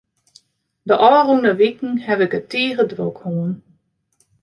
De ôfrûne wiken haw ik it tige drok hân.